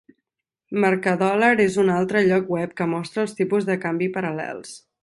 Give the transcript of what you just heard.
Mercadolar és un altre lloc web que mostra els tipus de canvi paral·lels.